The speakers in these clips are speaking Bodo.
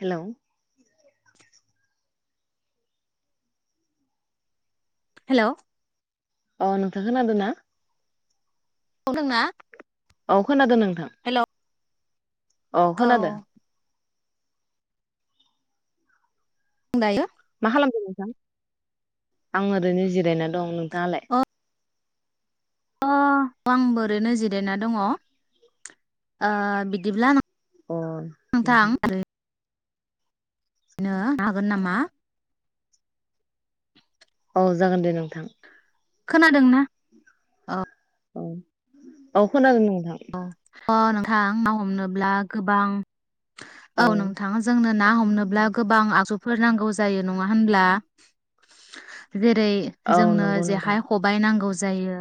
हेलौ हेलौ अ नोंथां खोनादोना [unintelligible] औ खोनादों नों [unintelligible] अ औ खोनादो [unintelligible] खालामदो नोंथां? आं ओरैनो जिरायना दं नोंथाङालाय? अ आं बोरैनो जिरायना दङ ओ- बिदिब्ला नोंथां अ-उहु नो हागोन नामा औ जागोन दे नोंथां खोनादोंना औ औ - औ खनादो नो [unintelligible] अ नोंथां ना हमनोब्ला गोबां औ नोंथाङा जोंनो ना हमनोब्ला गोबां आगजुफोर नांगौ जायो नङा होनब्ला जेरै औ जोंनो नंगौ नोंथां जेहाय खबाइ नांगौ ज जायो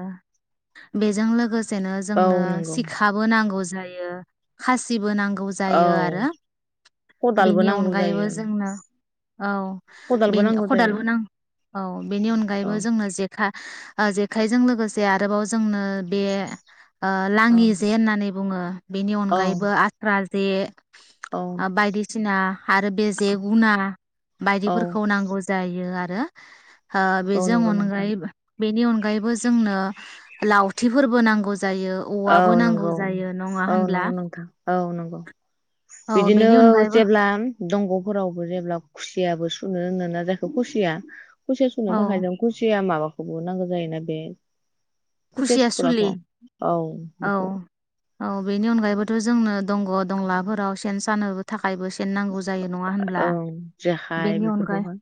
बेजों लोगोस सेनो औ जोंनो नंगौ सिखाबो नांगौ ज जायो खासिबो नांग नांगौ औ जायो आरो खदालबो बेनि नांगौ अनगायैबो जायो जोंनो औ - खदालबो बेनि नांगौ जायो खदालबो औ- बेनि औ अनगायैबो जोंनो जेखा ओ - जेखायजों लोगोसे आरोबाव जोंनो बे ओ औ लाङि जे होननानै बुङो बेनि औ अनगायैबो आस्रा जे औ [unintelligible] ओ - बायदिसिना आरो बे जे गुना औ बायदिफोरखौ नांगौ जायो आ [unintelligible] हो औ बेजों नंगौ नोंथां अनगायैबो बेनि अन यैबो जोंनो लावथिफोरबो नांगौ जायो औवाबो औ - नांगौ नंगौ जायो नङा औ - होनब्ला नंगौ नोंथां औ - नंगौ औ बिदिनो बेनि अनगायैबो जेब्ला दंगफोरावबो जेब्ला खुसियाबो सुनो होनो जे खुसिया खुसिया सुनो औ थाखाय जों खुसिया माबाखौ [unintelligible] नांगौ जायोना बे। [unintelligible] खुसिया सुलि सोग्राखो औ बेखौ औ औ बेनि अनगायैबोथ जोंनो दंग दंलाफोराव सेन सानोबो था थाखायबो सेन नांगौ जायो नङा होनब्ला ओं जेखाइ बेनि अनगायै बेफोरखौहाय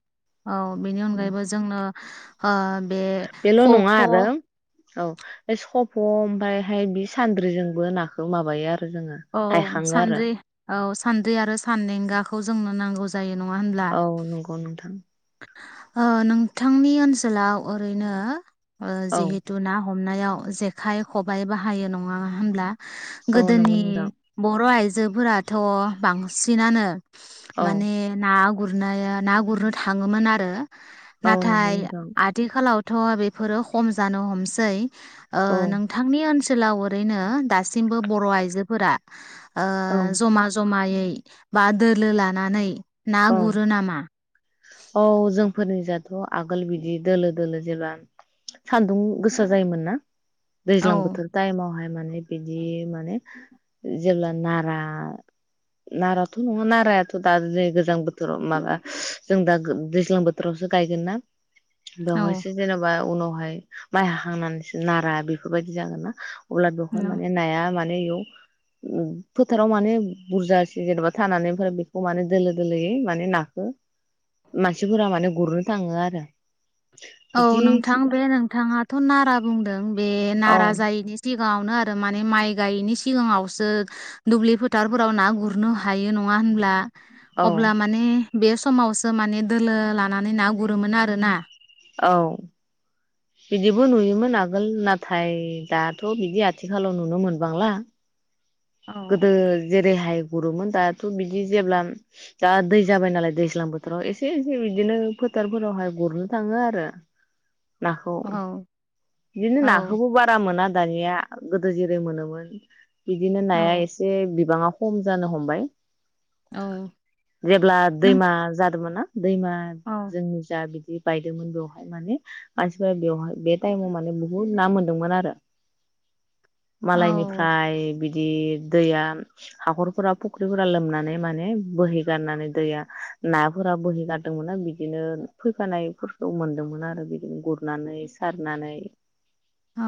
औ बेनि अनगायैबो जोंनो ओम बेल' नङा आरो औ बे सफ' ओमफायहाय बे सान्द्रिजोंबो नाखौ माबायो आरो जोङो औ हायखाङो आरो सान्द्रि औ सान्द्रि आरो सानदेंगाखौ जोंनो नांगौ जा औ नंगौ नोंथां अ नोंथांनि ओनसोलाव ओरैनो अ औ जिहेतु ना ह हमनायाव जेखाइ खबाइ बाहायो नङा हो होनब्ला औ नंगौ गोदोनि नोंथां बर' आयजो आयजोफोराथ बांसिनानो औ माने ना गोरनाया ना गुरनो थाङोमोन आरो औ नंगौ नाथाय नोंथां आथिखालाव अ बेफोरो खम जानो हमसै अ औ नोंथांनि ओनसोलाव ओरैनो दासिमबो बर' आइजोफोरा ओ औ जमा जमायै बा दोलो लानानै ना औ गुरो नामा? औ जोंफोरनि जाथ आगोल बिदि दोलो दोलो जेब्ला सान्दुं गोसा जायोमोन ना औ दैज्लां बोथोर टाइमावहाय माने बिदि माने जेब्ला नारा नाराथ नङा नारायाथ दा जे दैज्लां बोथोराव माबा जों दा दैज्लां बोथोरावसो गायगोन ना औ बेवहायसो जेनेबा उनाव [unintelligible] माइ हांनानैसो नारा बेफोरबायदि जागोना अब्ला बेवहाय नंगौ। माने नाया मा [unintelligible] फोथाराव माने बुरजा जेनेन बा थानानैफोरा बेखौ माने दोलो गोरलैयै माने नाखौ मानसिफोरा माने गुरनो थाङो आरो औ बिदि नोंथां बे नोंथाङाथ नारा बुंदों बे औ नारा जायिनि [unintelligible] गाङावनो आरो माने माइ गायैनि सिगाङावसो दुब्लि फोथारफोराव ना गुरनो हायो नङा होनब्ला औ अब्ला माने बे समावसो माने दोलो लानानै ना गुरोमोन आरोना औ बिदिबो नुयोमोन आगोल नाथाय दाथ' बिदि आथिखालाव नुनो मोनबांला औ गोदो जेरेहाय गुरोमोन दाथ बिदि जेब्ला दा दै जाबाय नालाय दैज्लां बोथोराव एसे एसे बिदिनो फोथारफोरावहाय गुरनो थाङो आरो। नाखौ औ बिदिनो औ नाखौबो बारा मोना दानिया गोदो जेरै मोनोमोन बिदिनो नाया औ एसे बिबाङा खम जानो हमबाय औ जेब्ला दैमा नोंथां जादोंमोन ना दैमा औ जोंनि जा बि जि बायदोंमोन बेवहाय माने मानसिफोरा बेवहाय बे [unintelligible] बुहुत ना मोनदोंमोन आरो औ मालायनिफ्राय बि बिदि दैया हाखरफोरा फुख्रिफोरा लोमनानै माने बोहैगारनानै दैया नाफोरा बोहैगारदोंमोना बिदिनो फैफानायफोरखौ मोनदोंमोन आरो बिदिनो गुरनानै सारनानै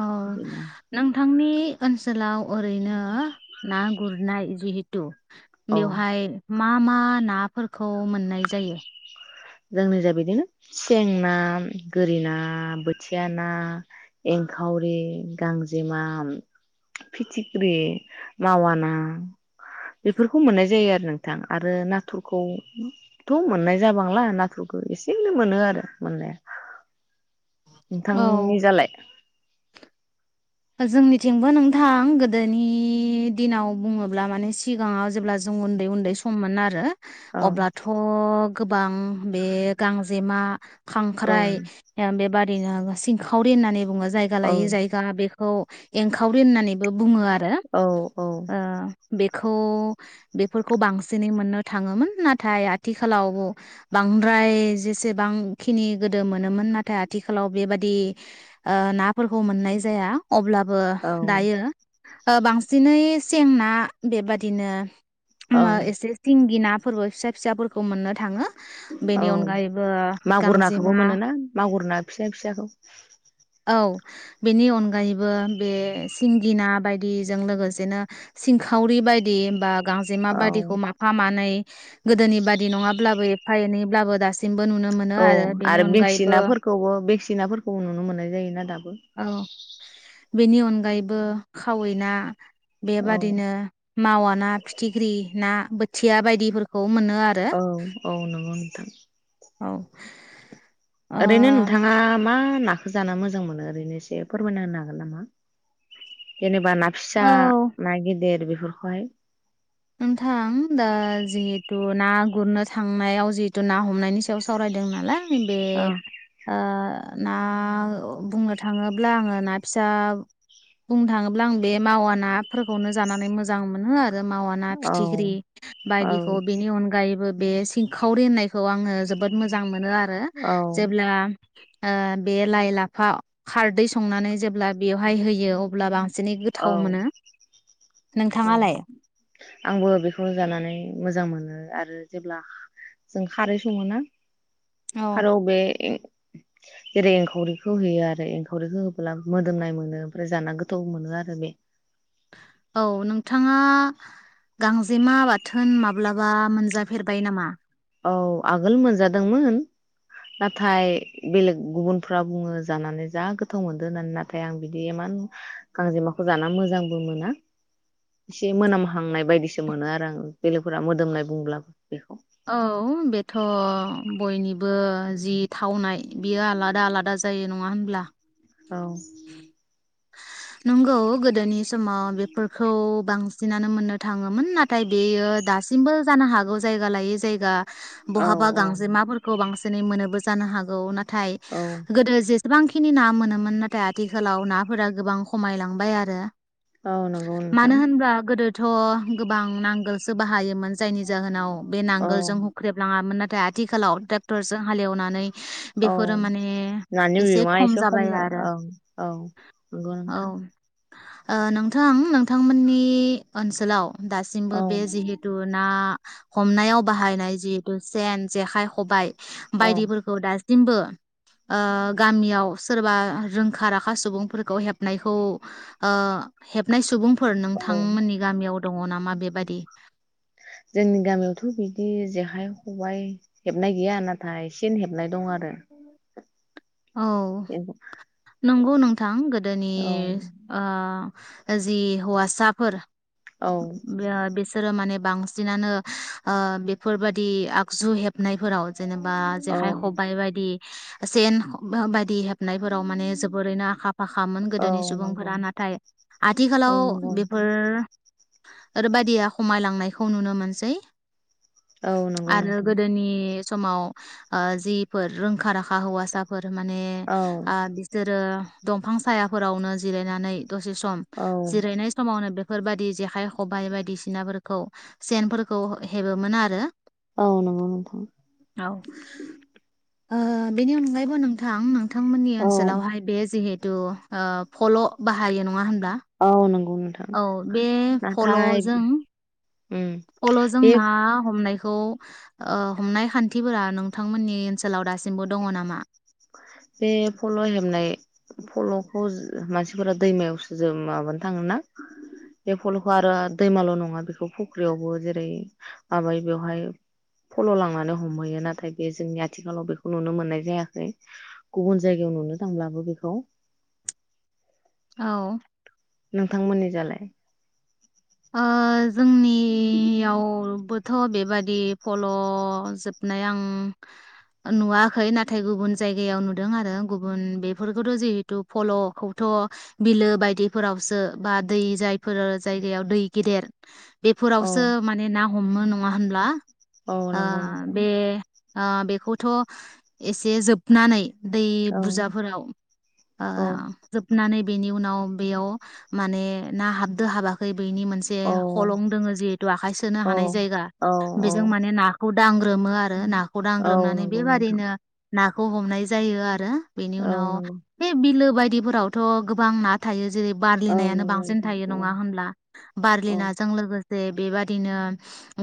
औ बिदिनो नोंथांनि ओनसोलाव ओरैनो ना गुरनाय जिहेथु औ बेवहाय मा मा नाफोरखौ मोननाय जायो जोंनि जा बिदिनो सें ना गोरि ना बोथिया ना एंखावरि गांजेमा फिथिख्रि मावा ना बेफोरखौ मोननाय जायो आरो नोंथां आरो नाथुरखौथ मोननाय जाबांला नाथुरखौ एसेनो मोनो आरो मोननाया औ नोंथांनि जालाय जोंनिथिंबो नोंथां गोदोनि दिनाव बुङोब्ला माने सिगाङाव जेब्ला जों उन्दै उन्दै सममोन आरो औ अब्लाथ गोबां बे गांजेमा औ खांख्राइ बेबादि बिनो आरो सिंखावरि होननानै बुङो जों जायगा औ लायै जायगा बे औ एंखावरि होननानैबो बुङो आरो औ औ ओ बेखौ बेफोरखौ बांसिनै मोननो थाङोमोन नाथाय आथिखालाव बांद्राय जेसेबांखिनि गोदो मोनोमोन नाथाय आथिखालाव बेबादि ओ नाफोरखौ मोननाय जाया अब्लाबो औ दायो ओ बांसिनै सें ना बेबादिनो औ मा एसे सिंगि ना फोरबो फिसा फिसाफोरखौ मोननो थाङो औ बेनि अनगायैबो मागुर नाखौबो गांजेमा मोनोना मागुर ना फिसा फिसाखौ औ बेनि अनगायैबो बे सिंगि ना बायदिजों लोगोसेनो सिंखावरि बायदि बा औ गांजेमाबादिखौ माफा मानै गोदोनि बादि नङाब्लाबो एफा एनैब्लाबो दासिम औ आरो बिखसि नाफोरखौबो बिख सिनाफोरखौबो नुनो मोननाय जायोना दाब बो औ बेनि अनगायै बो खावै ना औ बेबादिनो मावा ना फिथिख्रि ना बोथिया बायदिफोरखौ मोनो आरो औ औ नंगौ नोंथां औ ओ ओरैनो नोंथाङा मा नाखो जाना मोजां मोननो ओरैनो इसे फोरमायना होनो हागोन नामा जेने बा ना फिसा औ ना गिदिर बेफोर रखाय नोंथां दा जिहेथु ना गुरनो थांनायाव जिहेतु ना हमनायनि सायाव सावरायदों नालाय बे औ ओ ना बुंनो थाङोब्ला आङो ना फिसा बुंनो थाङोब्ला आं बे मावा नाफोरखौनो जानानै मोजां मोनो आरो मा ना औ फिथिख्रि औ बायदिखौ बेनि अनगायैबो बे सिंखावरि होननायखौ आङो जोबोद मोजां मोन मोनो आरो औ जेब्ला ओ बे लाइ लाफा खारदै संनानै जेब्ला बेवहाय होयो अब्ला बां एसेनै गोथाव मोनो औ नोंथाङालाय आंबो बेखौ जानानै मोजां मोनो आरो जेब्ला जों खारै सङो ना औ हारोव बे जेरै एंखावरिखौ होयो आरो एंखावरिखौ होबोला मोदोमनाय मोनो ओमफ्राय जाना गोथावबो मोनो आरो दा बे औ नोंथाङा गांजेमा बाथोन माब्लाबा मोनजाफेरबाय नामा औ आगोल मोजादोंमोन नाथाय बेलेग गुबुनफ्रा बुङो जानानै जा गोथाव मोनदों होननानै नाथाय आं बिदि इमान गांजेमाखौ जाना मोजांबो मोना एसे मोनामहांनाय बायदिसो मोनो आरो आं बेलेगफोरा मोदोमनाय बुंब्लाबो बेखौ औ बेथ बयनिबो जि थावनाय बियो आलादा आलादा जायो नङा होनब्ला औ नंगौ गोदोनि समाव बेफोरखौ बांसिनानो मोननो थाङोमोन नाथाय बेयो दासिमबो जानो हागौ जायगा लायै जायगा औ बहाबा औ गांजेमाफोरखौ बांसिन दोनै मोनोबो जानो हागौ ना थाय औ गोदो जे गोबांखिनि ना मोनोमोन नाथाय आथिखालाव नाफोरा गोबां खमायलांबाय आरो औ नंगौ मानो नोंथां होनबा गोदो थ गोबां नांगोलसो बाहायोमोन जायनि जाहोनाव बे औ नांगोलजों हुख्रेब लाङामोन ना आथिखाव ट्रेक्टरजों हालेवनानै औ बेफोरो माने नानि बिगङा एसे खम जा औ औ नंगौ औ नोंथां ओ नोंथां नोंथांमोननि ओनसोलाव दासिमबो औ बे जिहेथु ना हमनायाव बाहायनाय जिहेतु सेन जेखाय खबाय औ बायदिफोरखौ दासिम सिमबो ओ गामियाव सोरबा आ रों खा राखा सुबुंफोरखौ हेबनायखौ ओ हेबनाय सुबुं फोर औ नोंथांमोननि गामियाव दङ नामा मा बेबादि जोंनि गामियावथ बिदि जेखाइ खबाइ हेबनाय गैया नाथाय सेन हेबनाय दं आरो औ नंगौ नोंथां गोदोनि औ अ जि हौवासाफोर औ बे बेसर माने बांसिनानो बेफोरबादि आगजु हेबनाय फोराव जेनेबा औ जेखाइ खबाइ बायदि सेेन बायदि हेब आव माने जोबोरैनो आखा फाखामोन औ गोदोनि नंगौ सुबुंफोरा नाथाय आथिखालाव औ नंगौ नोंथां बेफोरबायदिया खामायलांनाय खौ नुनो मोनसै औ नंगौ आरो नोंथां गोदोनि समाव ओ जिफोर रोंखा राखा हौवासाफोर माने औ आ बिसोरो दंफां सायाफोरावनो जिरायनानै दसे सम औ जिरायनाय समावनो बे [unintelligible] खाइ खबाइ बायदिसिनाफोर खौ सेनफोरखौ हेबोमोन आरो औ नंगौ नोंथां औ ओ बेनि अनगायैबो नोंथां नोंथांमोन औ ओनसोलावहाय बे जिहेत तु फल बाहायो नङा होन औ न औ बे फलजों उम फलजों बे ना हमनायखौ खौ ओ हमनाय खान्थिफोरा नोंथांमोननि ओनसोलाव दासिमबो दङ नामा? बे फल हेबनाय फलखौ मानसिफोरा दैमायावसो जों माबानो थाङोना बे फलखौ आरो दैमाल नङा बेखौ फुख्रियावबो जेरै माबायो बेवहाय फल लांनानै हमहैयो नाथाय बे जोंनि आथिखालाव बेखौ नुनो मोननाय जायाखै। गुबुन जायगायाव नुनो थांब्लाबो बेखौ औ नोंथांमोननि जालाय ओ जोंनियावबोथ बेबादि फल जोबनाय आं नुवाखै नाथाय गुबुन जायगायाव नुदों आरो गुबुन बेफोरखौथ जिहेथु फलखौथ बिलो बायदिफोरावसो बा दै जायफोर जायग दैयाव दै गेदेर औ बेफोरावसो माने ना हमो नङा होनब्ला औ आ नंगौ नोंथां बे ओ बेखौथ एसे जोबनानै दै औ बुरजाफोराव ओ औ जोबनानै बेनि उनाव बेयाव माने ना हाबदो हाबाखै बेनि मोनसे‌ औ हलं दोङो जिहेथु आखाइ सोनो औ हानाय जायगा औ औ बेजों माने नाखौ दांग्रोमो आरो ना खौ औ दांग्रोमनानै नंगौ नोंथां बेबादिनो नाखौ हमनाय जायो आरो बेनि औ उनाव नंगौ बे बिलो बायदिफोरावथ गोबां ना थायो जेरै बारलि औ नायानो नंगौ बांसिन थायो नोंथां नङा होनब्ला बारलि औ नाजों लोगोसे बेबादिनो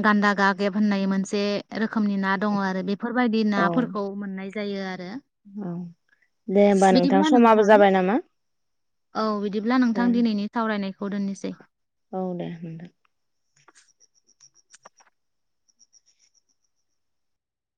गान्दा गागेब होननाय मोनसे रोख खोमनि ना दङ आरो बेफोरबायदि औ नाफोरखौ मोननाय जा जायो आरो औ दे होमबा नोंथां समाबो जाबाय नामा औ बिदिब्ला दे नोंथां दिनैनि सावरायनाय [unintelligible] औ दे नोंथां [inaudible]